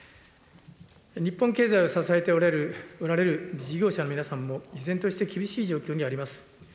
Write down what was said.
日本経済を支えておられる事業者の皆さんも、依然として厳しい状況にあります。